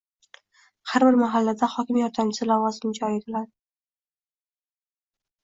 Har bir mahallada hokim yordamchisi lavozimi joriy etilading